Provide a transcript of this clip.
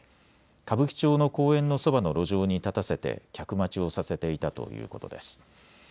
歌舞伎町の公園のそばの路上に立たせて客待ちをさせていたということです。